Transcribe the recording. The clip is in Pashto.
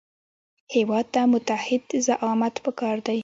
هېواد ته متعهد زعامت پکار دی